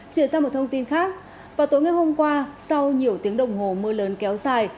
chuyển sang một thông tin khác vào tối ngày hôm qua sau nhiều tiếng đồng hồ mưa lớn kéo dài